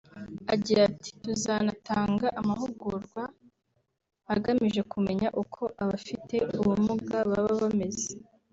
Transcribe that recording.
Agira ati “Tuzanatanga amahugurwa (agamije kumenya) uko abafite ubumuga baba bameze